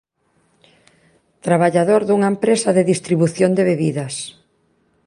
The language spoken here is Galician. Traballador dunha empresa de distribución de bebidas.